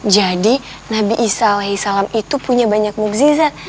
jadi nabi isa alaihi salam itu punya banyak mukjizat